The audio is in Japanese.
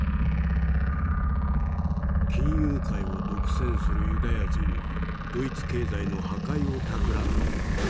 「金融界を独占するユダヤ人はドイツ経済の破壊をたくらんでいる。